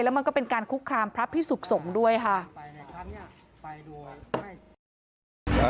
มันก็เป็นการคุกคามพระพิสุขสงฆ์ด้วยค่ะ